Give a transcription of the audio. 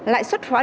lại xuất hóa đơn